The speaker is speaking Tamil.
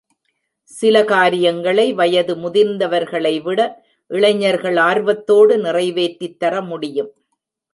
சில காரியங்களை வயது முதிர்ந்தவர்களைவிட இளைஞர்கள் ஆர்வத்தோடு நிறைவேற்றித் தரமுடியும்.